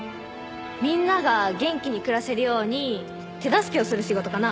みんなが元気に暮らせるように手助けをする仕事かな。